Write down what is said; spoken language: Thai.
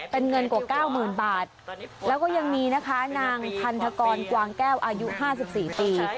เป็นเงินกว่า๙๐๐๐บาทแล้วก็ยังมีนะคะนางพันธกรกวางแก้วอายุ๕๔ปี